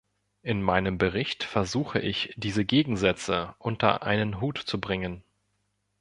In meinem Bericht versuche ich diese Gegensätze unter einen Hut zu bringen.